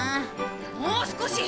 もう少し。